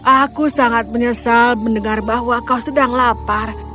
aku sangat menyesal mendengar bahwa kau sedang lapar